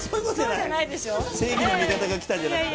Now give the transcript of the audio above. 正義の味方が来たんじゃなくて？